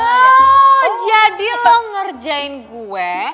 oh jadi lo ngerjain gue